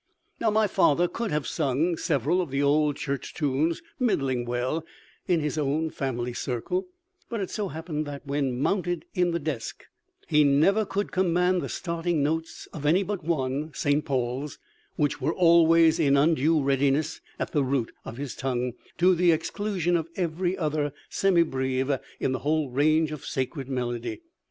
Now, my father could have sung several of the old church tunes middling well in his own family circle; but it so happened that, when mounted in the desk, he never could command the starting notes of any but one (St. Paul's), which were always in undue readiness at the root of his tongue, to the exclusion of every other semibreve in the whole range of sacred melody.